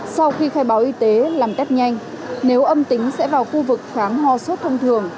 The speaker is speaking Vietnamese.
sau khi khai báo y tế làm test nhanh nếu âm tính sẽ vào khu vực khám ho sốt thông thường